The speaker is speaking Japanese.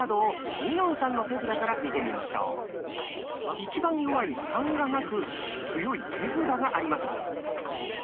一番弱い「３」がなく強い絵札があります。